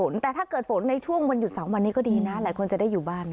ลากันก่อนสวัสดีค่ะ